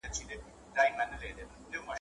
چا په میاشت او چا په کال دعوه ګټله ,